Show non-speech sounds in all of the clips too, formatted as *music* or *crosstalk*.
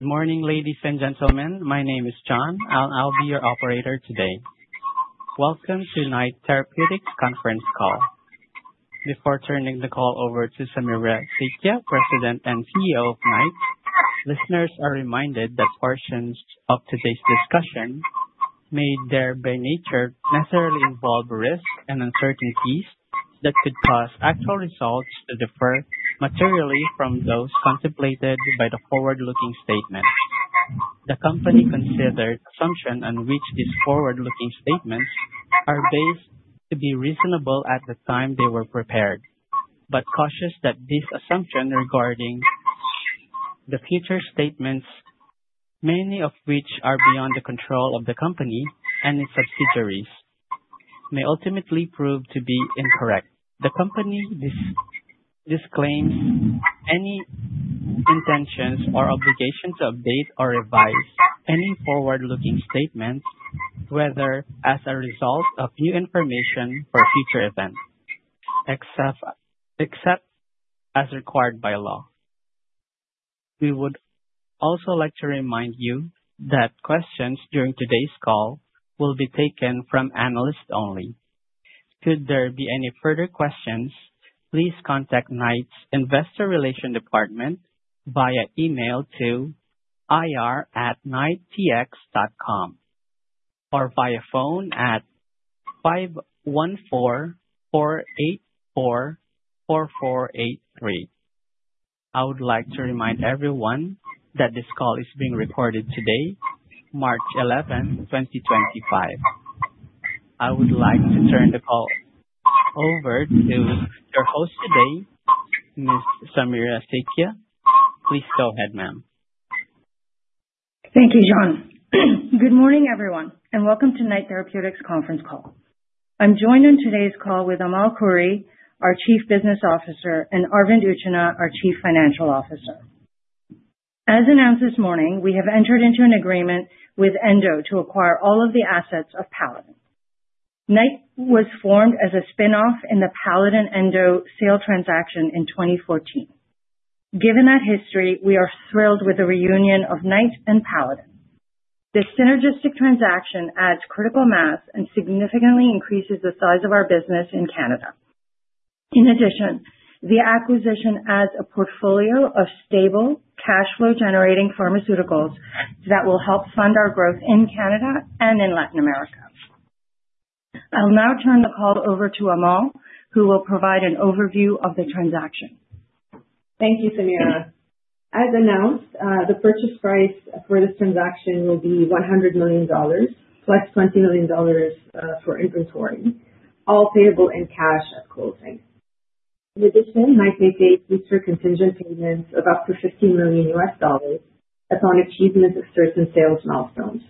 Good morning, ladies and gentlemen. My name is John. I'll be your operator today. Welcome to Knight Therapeutics' conference call. Before turning the call over to Samira Sakhia, President and CEO of Knight, listeners are reminded that portions of today's discussion may, by nature, necessarily involve risks and uncertainties that could cause actual results to differ materially from those contemplated by the forward-looking statements. The company considered assumptions on which these forward-looking statements are based to be reasonable at the time they were prepared, but cautious that these assumptions regarding the future statements, many of which are beyond the control of the company and its subsidiaries, may ultimately prove to be incorrect. The company disclaims any intentions or obligation to update or revise any forward-looking statements, whether as a result of new information or future events, except as required by law. We would also like to remind you that questions during today's call will be taken from analysts only. Should there be any further questions, please contact Knight's Investor Relations Department via email to ir@knighttx.com or via phone at 514-484-4483. I would like to remind everyone that this call is being recorded today, March 11, 2025. I would like to turn the call over to your host today, Ms. Samira Sakhia. Please go ahead, ma'am. Thank you, John. Good morning, everyone, and welcome to Knight Therapeutics' conference call. I'm joined on today's call with Amal Khouri, our Chief Business Officer, and Arvind Utchanah, our Chief Financial Officer. As announced this morning, we have entered into an agreement with Endo to acquire all of the assets of Paladin. Knight was formed as a spinoff in the Paladin-Endo sale transaction in 2014. Given that history, we are thrilled with the reunion of Knight and Paladin. This synergistic transaction adds critical mass and significantly increases the size of our business in Canada. In addition, the acquisition adds a portfolio of stable, cash-flow-generating pharmaceuticals that will help fund our growth in Canada and in Latin America. I'll now turn the call over to Amal, who will provide an overview of the transaction. Thank you, Samira. As announced, the purchase price for this transaction will be 100 million dollars, plus 20 million dollars for inventory, all payable in cash at closing. In addition, Knight may face future contingent payments of up to $15 million upon achievement of certain sales milestones.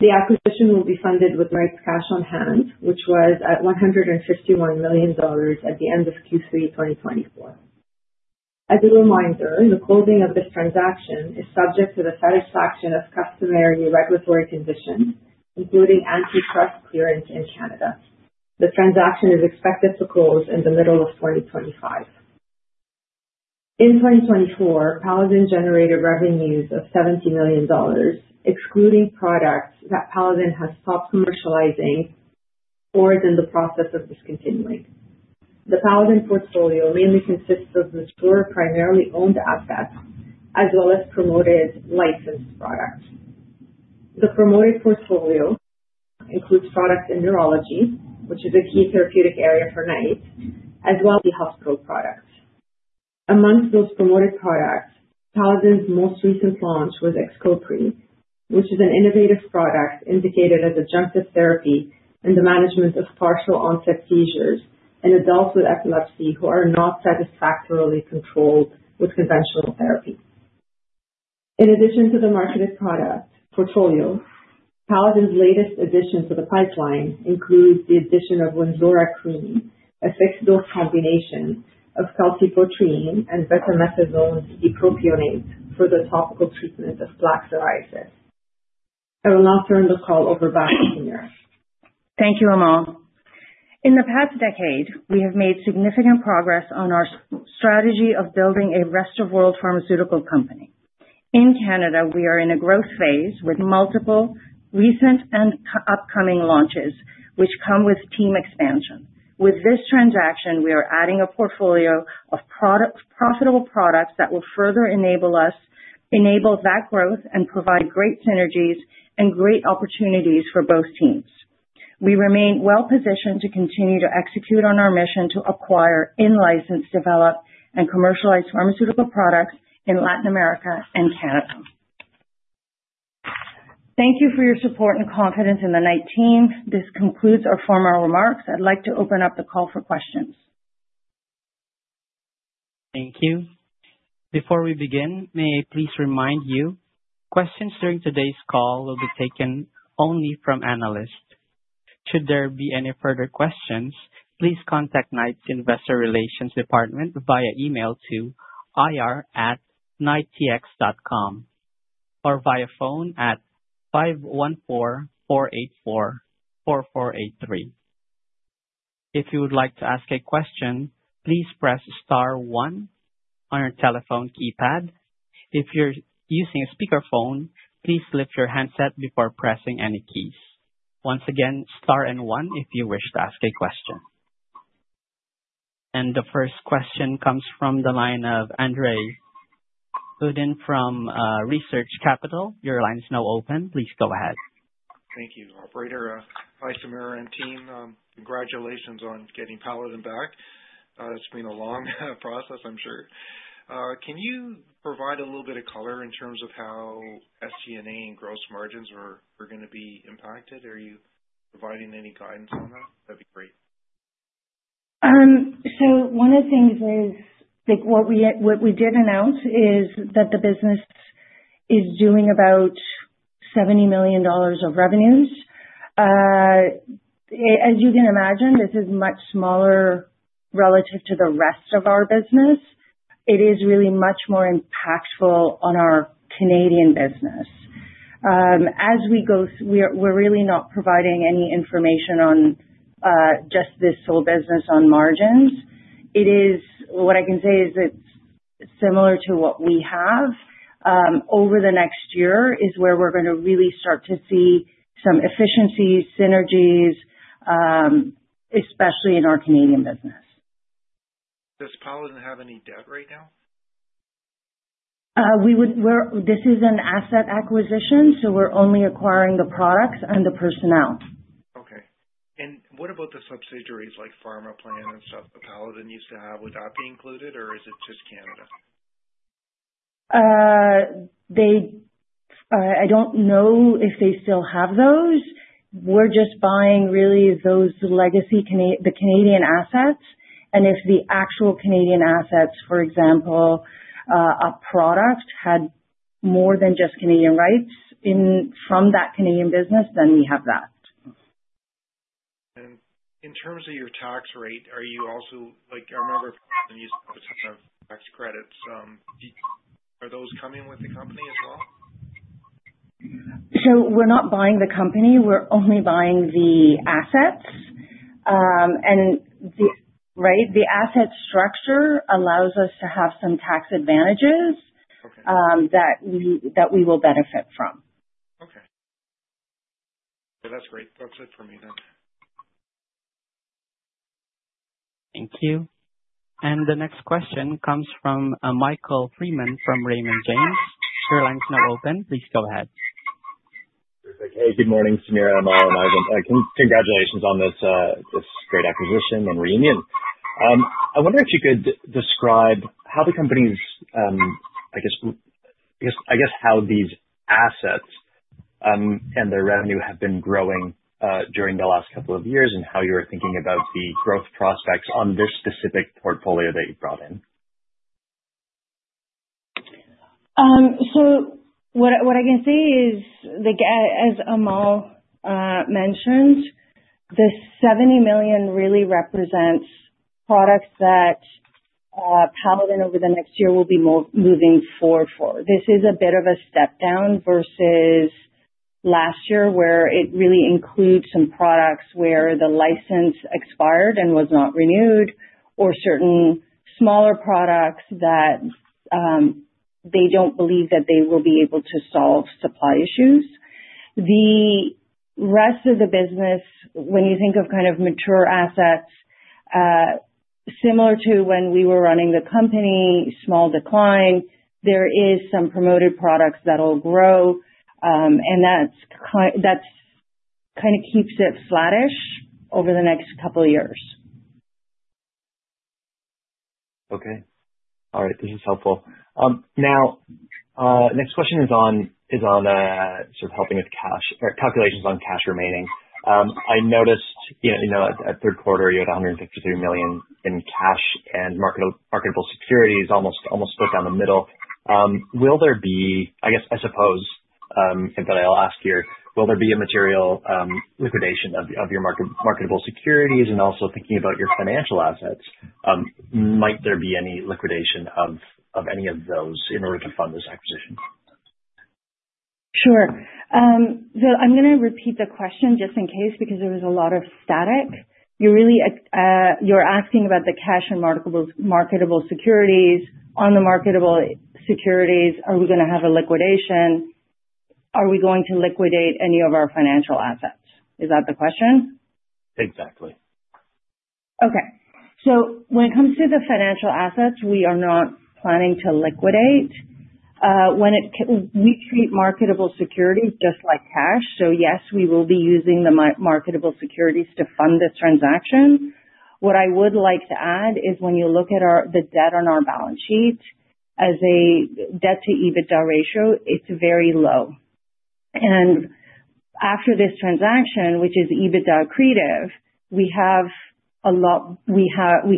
The acquisition will be funded with Knight's cash on hand, which was at 151 million dollars at the end of Q3 2024. As a reminder, the closing of this transaction is subject to the satisfaction of customary regulatory conditions, including antitrust clearance in Canada. The transaction is expected to close in the middle of 2025. In 2024, Paladin generated revenues of 70 million dollars, excluding products that Paladin has stopped commercializing or is in the process of discontinuing. The Paladin portfolio mainly consists of mature primarily owned assets as well as promoted licensed products. The promoted portfolio includes products in neurology, which is a key therapeutic area for Knight, as well as hospital products. Amongst those promoted products, Paladin's most recent launch was Xcopri, which is an innovative product indicated as adjunctive therapy in the management of partial onset seizures in adults with epilepsy who are not satisfactorily controlled with conventional therapy. In addition to the marketed product portfolio, Paladin's latest addition to the pipeline includes the addition of Winzora Cream, a fixed-dose combination of calcipotriol and betamethasone dipropionate for the topical treatment of plaque psoriasis. I will now turn the call over back to Samira. Thank you, Amal. In the past decade, we have made significant progress on our strategy of building a rest-of-world pharmaceutical company. In Canada, we are in a growth phase with multiple recent and upcoming launches, which come with team expansion. With this transaction, we are adding a portfolio of profitable products that will further enable us to enable that growth and provide great synergies and great opportunities for both teams. We remain well-positioned to continue to execute on our mission to acquire, in-license, develop, and commercialize pharmaceutical products in Latin America and Canada. Thank you for your support and confidence in the Knight team. This concludes our formal remarks. I'd like to open up the call for questions. Thank you. Before we begin, may I please remind you questions during today's call will be taken only from analysts. Should there be any further questions, please contact Knight's Investor Relations Department via email to ir@knighttx.com or via phone at 514-484-4483. If you would like to ask a question, please press star one on your telephone keypad. If you're using a speakerphone, please lift your handset before pressing any keys. Once again, star and one if you wish to ask a question. The first question comes from the line of Andre Uddin from Research Capital. Your line is now open. Please go ahead. Thank you, Operator. Hi, Samira and team. Congratulations on getting Paladin back. It's been a long process, I'm sure. Can you provide a little bit of color in terms of how SG&A and gross margins are going to be impacted? Are you providing any guidance on that? That'd be great. One of the things is what we did announce is that the business is doing about 70 million dollars of revenues. As you can imagine, this is much smaller relative to the rest of our business. It is really much more impactful on our Canadian business. As we go, we're really not providing any information on just this sole business on margins. What I can say is it's similar to what we have. Over the next year is where we're going to really start to see some efficiencies, synergies, especially in our Canadian business. Does Paladin have any debt right now? This is an asset acquisition, so we're only acquiring the products and the personnel. Okay. What about the subsidiaries like Pharmaplan and stuff that Paladin used to have? Would that be included, or is it just Canada? I don't know if they still have those. We're just buying really those legacy, the Canadian assets. If the actual Canadian assets, for example, a product had more than just Canadian rights from that Canadian business, then we have that. In terms of your tax rate, are you also, I remember Paladin used to have tax credits. Are those coming with the company as well? We're not buying the company. We're only buying the assets. The asset structure allows us to have some tax advantages that we will benefit from. Okay. Yeah, that's great. That's it for me then. Thank you. The next question comes from Michael Freeman from Raymond James. Your line is now open. Please go ahead. Hey, good morning, Samira and Amal. Congratulations on this great acquisition and reunion. I wonder if you could describe how the company's, I guess, how these assets and their revenue have been growing during the last couple of years and how you were thinking about the growth prospects on this specific portfolio that you brought in. What I can say is, as Amal mentioned, the 70 million really represents products that Paladin over the next year will be moving forward for. This is a bit of a step down versus last year where it really includes some products where the license expired and was not renewed or certain smaller products that they do not believe that they will be able to solve supply issues. The rest of the business, when you think of kind of mature assets, similar to when we were running the company, small decline, there are some promoted products that will grow, and that kind of keeps it slattish over the next couple of years. Okay. All right. This is helpful. Now, the next question is on sort of helping with cash or calculations on cash remaining. I noticed at third quarter, you had 153 million in cash, and marketable securities almost split down the middle. Will there be, I guess, I suppose, but I'll ask here, will there be a material liquidation of your marketable securities? Also thinking about your financial assets, might there be any liquidation of any of those in order to fund this acquisition? Sure. I'm going to repeat the question just in case because there was a lot of static. You're asking about the cash and marketable securities. On the marketable securities, are we going to have a liquidation? Are we going to liquidate any of our financial assets? Is that the question? Exactly. Okay. When it comes to the financial assets, we are not planning to liquidate. We treat marketable securities just like cash. Yes, we will be using the marketable securities to fund this transaction. What I would like to add is when you look at the debt on our balance sheet as a debt-to-EBITDA ratio, it is very low. After this transaction, which is EBITDA accretive, we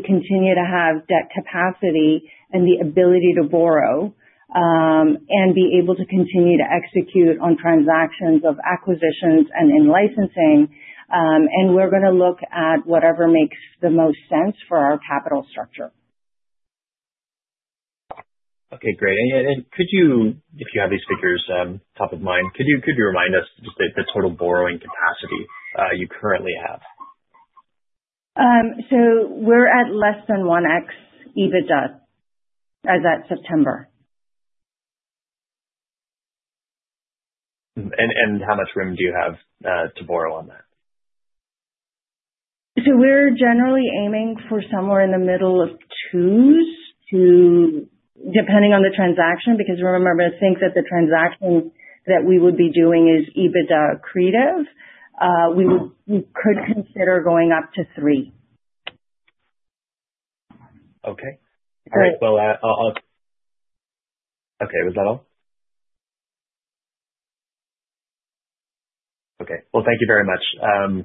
continue to have debt capacity and the ability to borrow and be able to continue to execute on transactions of acquisitions and in licensing. We are going to look at whatever makes the most sense for our capital structure. Okay. Great. Could you, if you have these figures top of mind, remind us just the total borrowing capacity you currently have? We're at less than 1x EBITDA as at September. How much room do you have to borrow on that? We're generally aiming for somewhere in the middle of twos, depending on the transaction, because remember, think that the transaction that we would be doing is EBITDA accretive. We could consider going up to three. All right. *audio distortion* Was that all? Thank you very much.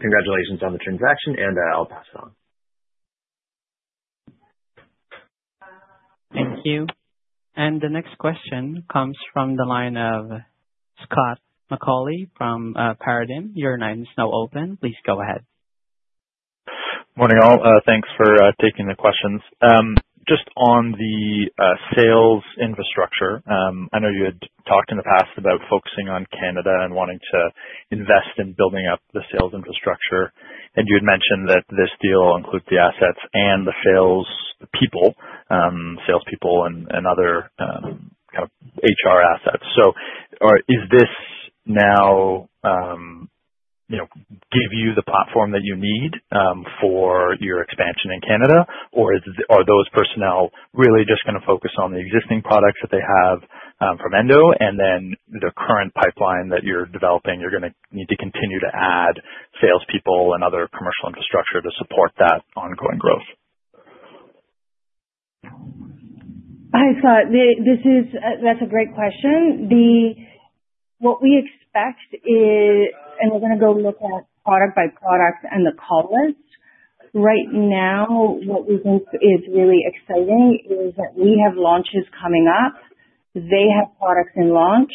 Congratulations on the transaction, and I'll pass it on. Thank you. The next question comes from the line of Scott McAuley from Paradigm. Your line is now open. Please go ahead. Morning, all. Thanks for taking the questions. Just on the sales infrastructure, I know you had talked in the past about focusing on Canada and wanting to invest in building up the sales infrastructure. You had mentioned that this deal will include the assets and the salespeople and other kind of HR assets. Is this now give you the platform that you need for your expansion in Canada, or are those personnel really just going to focus on the existing products that they have from Endo and then the current pipeline that you're developing, you're going to need to continue to add salespeople and other commercial infrastructure to support that ongoing growth? Hi, Scott. That's a great question. What we expect is, and we're going to go look at product by product and the call list. Right now, what we think is really exciting is that we have launches coming up. They have products in launch,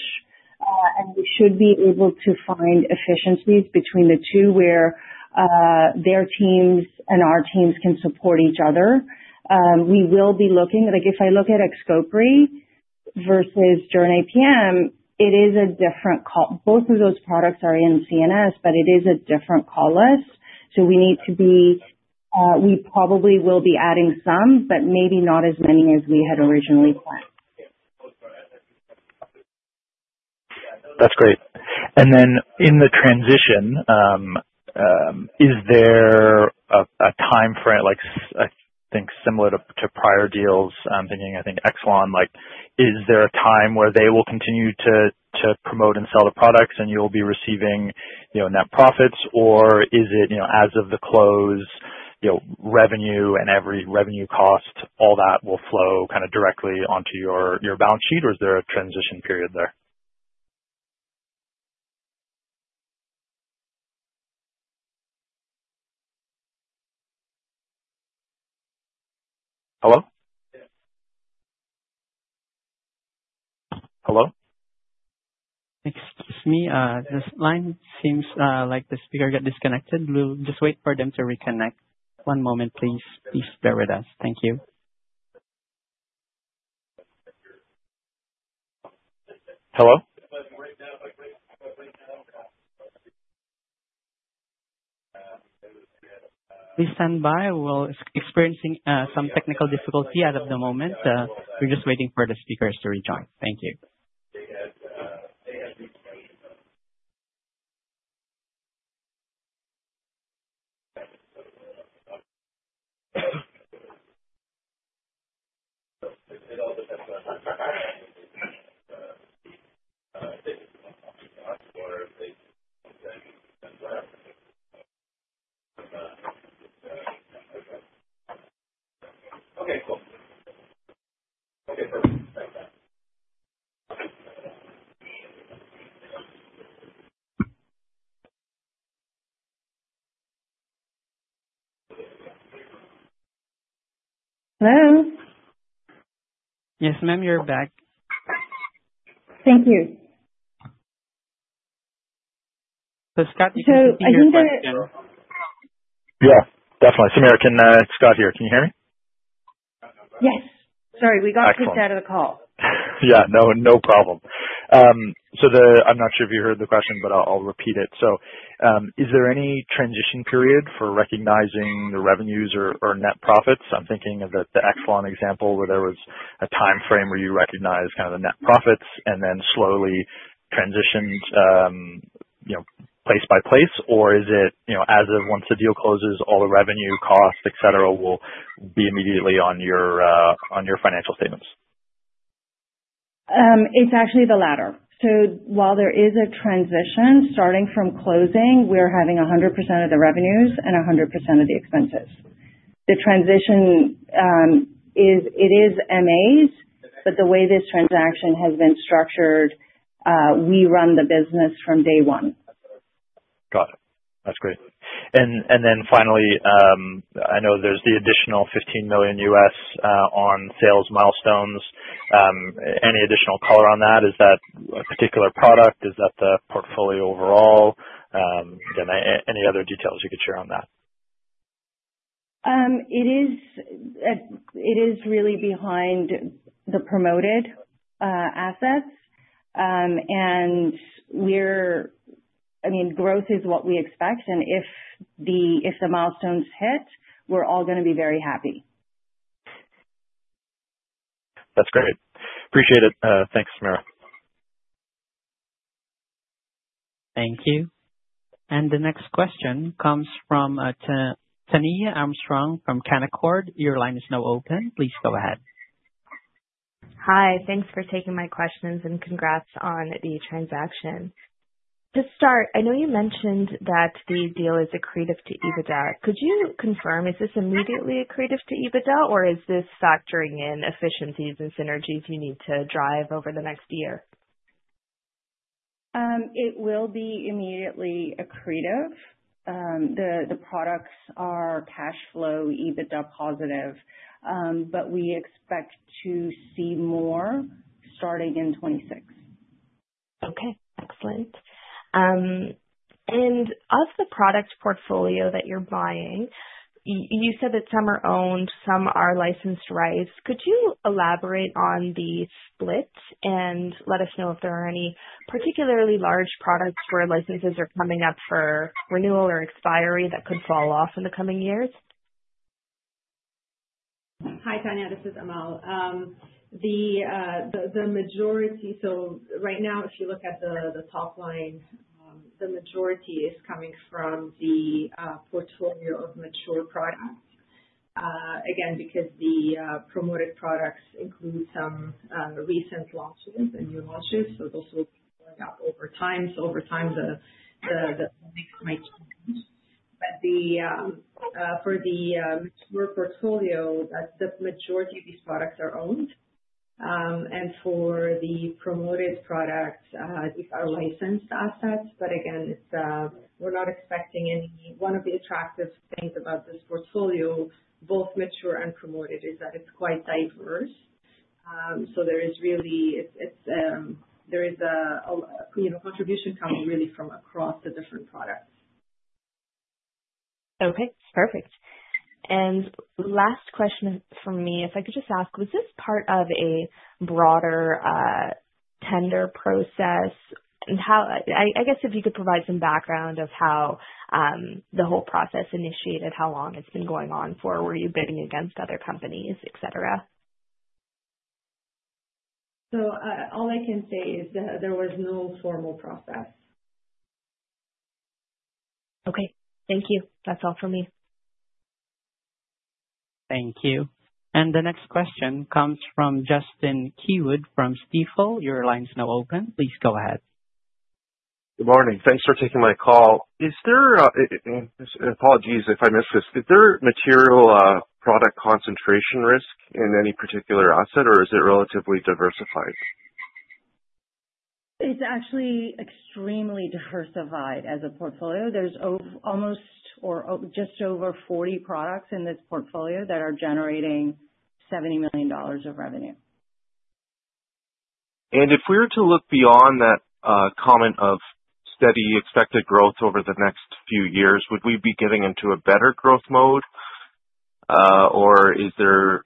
and we should be able to find efficiencies between the two where their teams and our teams can support each other. We will be looking if I look at Xcopri versus Jornay PM, it is a different call. Both of those products are in CNS, but it is a different call list. We probably will be adding some, but maybe not as many as we had originally planned. That's great. In the transition, is there a time frame, I think, similar to prior deals, thinking, I think, Xcopri, is there a time where they will continue to promote and sell the products and you'll be receiving net profits, or is it as of the close, revenue and every revenue cost, all that will flow kind of directly onto your balance sheet, or is there a transition period there? Hello? Hello? Excuse me. This line seems like the speaker got disconnected. We'll just wait for them to reconnect. One moment, please. Please bear with us. Thank you. Hello? We stand by. We're experiencing some technical difficulty as of the moment. We're just waiting for the speakers to rejoin. Thank you. Hello? Yes, ma'am, you're back. Thank you. *crosstalk* Scott, you can continue your question. Yeah. Definitely. Samira, can Scott hear? Can you hear me? Yes. Sorry, *crosstalk* we got pushed out of the call. Yeah. No problem. I'm not sure if you heard the question, but I'll repeat it. Is there any transition period for recognizing the revenues or net profits? I'm thinking of the Exelon example where there was a time frame where you recognize kind of the net profits and then slowly transitioned place by place, or is it as of once the deal closes, all the revenue, costs, etc., will be immediately on your financial statements? It's actually the latter. While there is a transition starting from closing, we're having 100% of the revenues and 100% of the expenses. The transition, it is MAs, but the way this transaction has been structured, we run the business from day one. Got it. That's great. Finally, I know there's the additional $15 million on sales milestones. Any additional color on that? Is that a particular product? Is that the portfolio overall? Any other details you could share on that? It is really behind the promoted assets. I mean, growth is what we expect. If the milestones hit, we're all going to be very happy. That's great. Appreciate it. Thanks, Samira. Thank you. The next question comes from Tania Armstrong from Canaccord. Your line is now open. Please go ahead. Hi. Thanks for taking my questions and congrats on the transaction. To start, I know you mentioned that the deal is accretive to EBITDA. Could you confirm, is this immediately accretive to EBITDA, or is this factoring in efficiencies and synergies you need to drive over the next year? It will be immediately accretive. The products are cash flow EBITDA positive, but we expect to see more starting in '26. Okay. Excellent. Of the product portfolio that you're buying, you said that some are owned, some are licensed rights. Could you elaborate on the split and let us know if there are any particularly large products where licenses are coming up for renewal or expiry that could fall off in the coming years? Hi, Tania. This is Amal. The majority, so right now, if you look at the top line, the majority is coming from the portfolio of mature products. Again, because the promoted products include some recent launches and new launches, those will be going up over time. Over time, the mix might change. For the mature portfolio, the majority of these products are owned. For the promoted products, these are licensed assets. Again, we're not expecting any one of the attractive things about this portfolio, both mature and promoted, is that it's quite diverse. There is really a contribution coming from across the different products. Okay. Perfect. Last question for me, if I could just ask, was this part of a broader tender process? I guess if you could provide some background of how the whole process initiated, how long it's been going on for, were you bidding against other companies, etc.? All I can say is that there was no formal process. Okay. Thank you. That's all for me. Thank you. The next question comes from Justin Keywood from Stifel. Your line is now open. Please go ahead. Good morning. Thanks for taking my call. Apologies if I missed this. Is there material product concentration risk in any particular asset, or is it relatively diversified? It's actually extremely diversified as a portfolio. There's almost or just over 40 products in this portfolio that are generating 70 million dollars of revenue. If we were to look beyond that comment of steady expected growth over the next few years, would we be getting into a better growth mode, or is there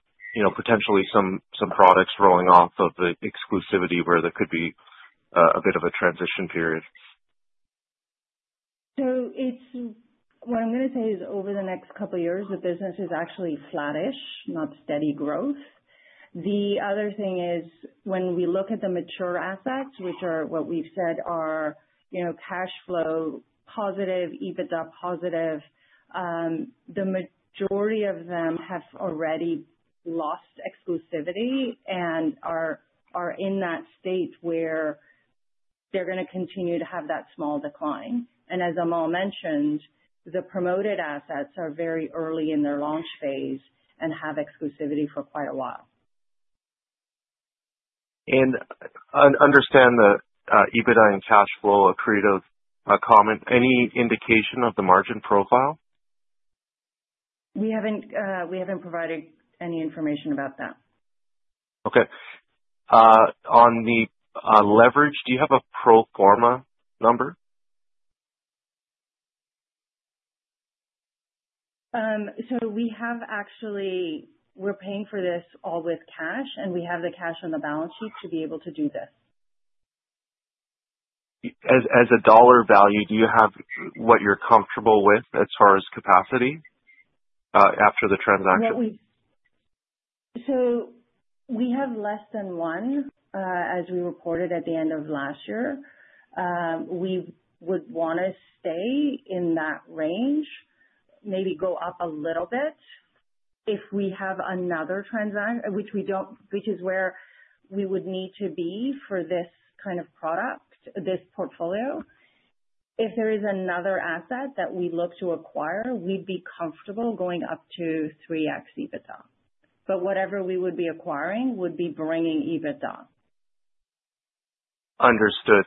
potentially some products rolling off of the exclusivity where there could be a bit of a transition period? What I'm going to say is over the next couple of years, the business is actually flattish, not steady growth. The other thing is when we look at the mature assets, which are what we've said are cash flow positive, EBITDA positive, the majority of them have already lost exclusivity and are in that state where they're going to continue to have that small decline. As Amal mentioned, the promoted assets are very early in their launch phase and have exclusivity for quite a while. I understand the EBITDA and cash flow accretive comment, any indication of the margin profile? We haven't provided any information about that. Okay. On the leverage, do you have a pro forma number? We are actually paying for this all with cash, and we have the cash on the balance sheet to be able to do this. As a dollar value, do you have what you're comfortable with as far as capacity after the transaction? We have less than one, as we reported at the end of last year. We would want to stay in that range, maybe go up a little bit if we have another transaction, which is where we would need to be for this kind of product, this portfolio. If there is another asset that we look to acquire, we'd be comfortable going up to 3x EBITDA. Whatever we would be acquiring would be bringing EBITDA. Understood.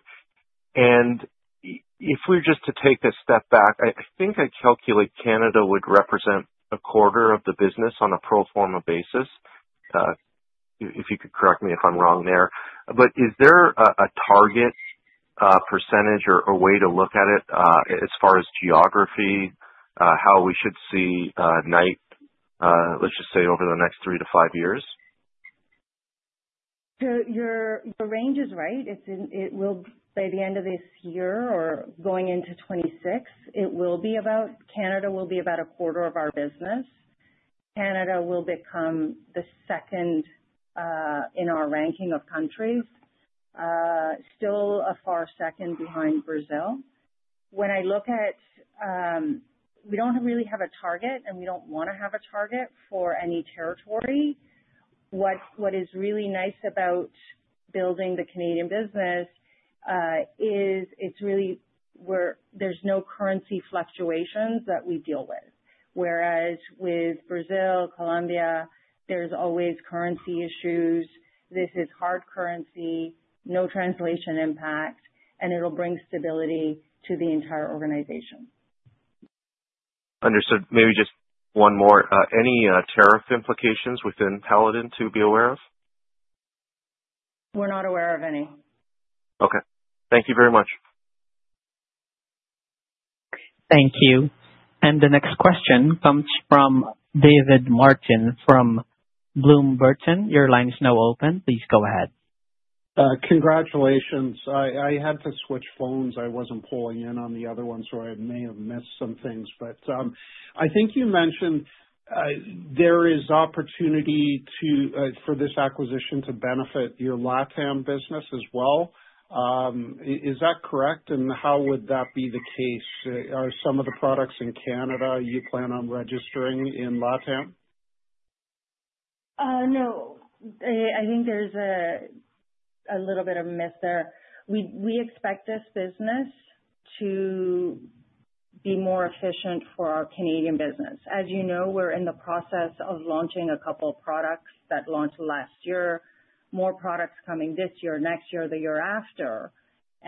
If we were just to take a step back, I think I calculate Canada would represent a quarter of the business on a pro forma basis. If you could correct me if I'm wrong there. Is there a target percentage or way to look at it as far as geography, how we should see Knight, let's just say over the next three to five years? Your range is right. By the end of this year or going into '26, it will be about Canada will be about a quarter of our business. Canada will become the second in our ranking of countries, still a far second behind Brazil. When I look at we do not really have a target, and we do not want to have a target for any territory. What is really nice about building the Canadian business is it is really where there is no currency fluctuations that we deal with. Whereas with Brazil, Colombia, there is always currency issues. This is hard currency, no translation impact, and it will bring stability to the entire organization. Understood. Maybe just one more. Any tariff implications within Paladin to be aware of? We're not aware of any. Okay. Thank you very much. Thank you. The next question comes from David Martin from Bloom Burton. Your line is now open. Please go ahead. Congratulations. I had to switch phones. I was not pulling in on the other one, so I may have missed some things. I think you mentioned there is opportunity for this acquisition to benefit your LATAM business as well. Is that correct? How would that be the case? Are some of the products in Canada you plan on registering in LATAM? No. I think there's a little bit of a miss there. We expect this business to be more efficient for our Canadian business. As you know, we're in the process of launching a couple of products that launched last year, more products coming this year, next year, the year after.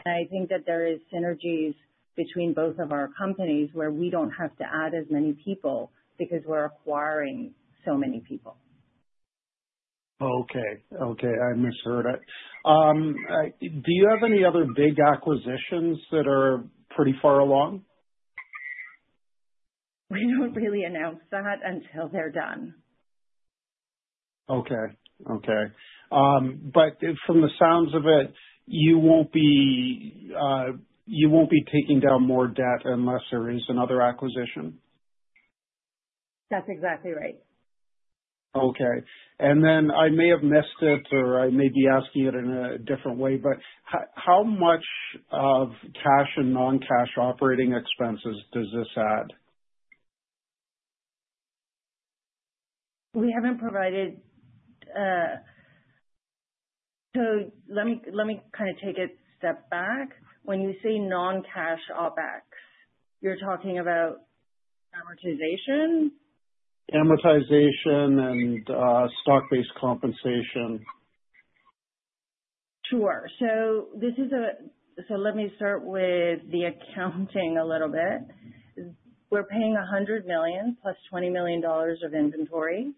I think that there are synergies between both of our companies where we don't have to add as many people because we're acquiring so many people. Okay. Okay. I misheard it. Do you have any other big acquisitions that are pretty far along? We don't really announce that until they're done. Okay. Okay. From the sounds of it, you won't be taking down more debt unless there is another acquisition? That's exactly right. Okay. I may have missed it, or I may be asking it in a different way, but how much of cash and non-cash operating expenses does this add? We haven't provided, so let me kind of take a step back. When you say non-cash OpEx, you're talking about amortization? Amortization and stock-based compensation. Sure. Let me start with the accounting a little bit. We're paying 100 million plus $20 million of inventory.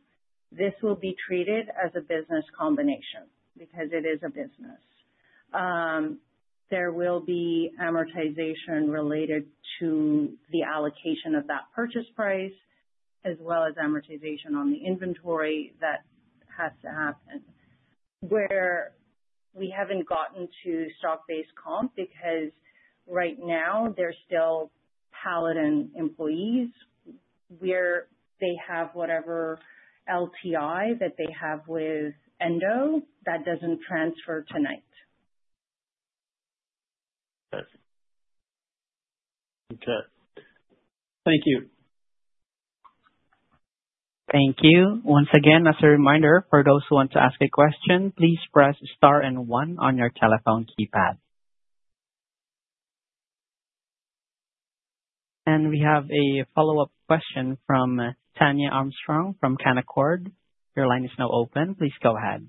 This will be treated as a business combination because it is a business. There will be amortization related to the allocation of that purchase price as well as amortization on the inventory that has to happen. Where we haven't gotten to stock-based comp because right now, they're still Paladin employees. They have whatever LTI that they have with Endo that doesn't transfer to Knight. Okay. Okay. Thank you. Thank you. Once again, as a reminder, for those who want to ask a question, please press star and one on your telephone keypad. We have a follow-up question from Tania Armstrong from Canaccord. Your line is now open. Please go ahead.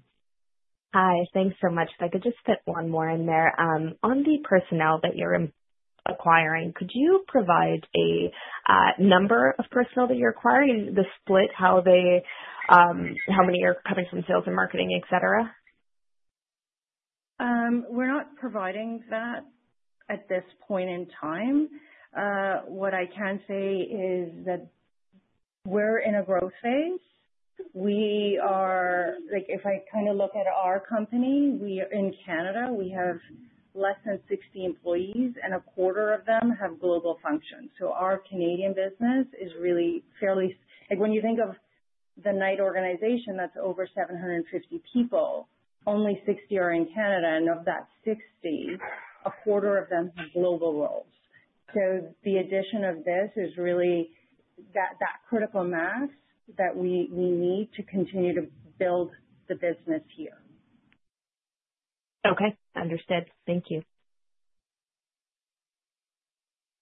Hi. Thanks so much. If I could just fit one more in there. On the personnel that you're acquiring, could you provide a number of personnel that you're acquiring and the split, how many are coming from sales and marketing, etc.? We're not providing that at this point in time. What I can say is that we're in a growth phase. If I kind of look at our company, in Canada, we have fewer than 60 employees, and a quarter of them have global functions. Our Canadian business is really fairly, when you think of the Knight organization, that's over 750 people, only 60 are in Canada. Of that 60, a quarter of them have global roles. The addition of this is really that critical mass that we need to continue to build the business here. Okay. Understood. Thank you.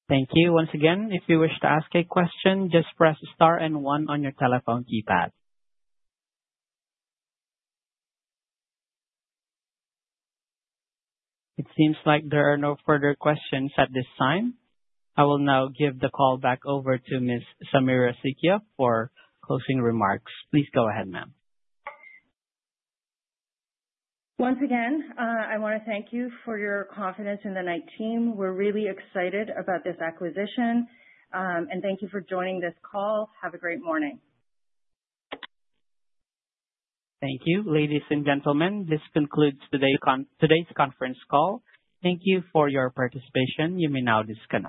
Thank you. Once again, if you wish to ask a question, just press star and one on your telephone keypad. It seems like there are no further questions at this time. I will now give the call back over to Ms. Samira Sakhia for closing remarks. Please go ahead, ma'am. Once again, I want to thank you for your confidence in the Knight team. We're really excited about this acquisition. Thank you for joining this call. Have a great morning. Thank you. Ladies and gentlemen, this concludes today's conference call. Thank you for your participation. You may now disconnect.